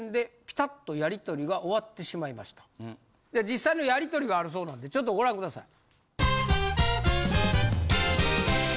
実際のやりとりがあるそうなんでちょっとご覧ください。